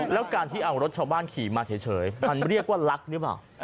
แล้วการที่เอารถชาวบ้านขี่มาเฉยมันเรียกว่ารักหรือเปล่า